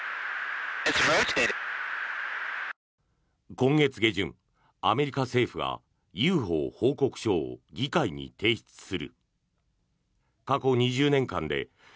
今月下旬、アメリカ政府がＵＦＯ報告書を議会に提出する。